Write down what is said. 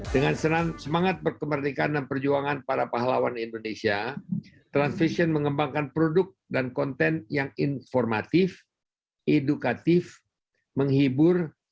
dengan semangat berkemerdekaan dan perjuangan para pahlawan indonesia transvision mengembangkan produk dan konten yang informatif edukatif menghibur